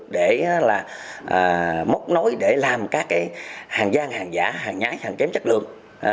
để mốc nối làm hàng giang hàng giả hàng nhái hàng kém chất lượng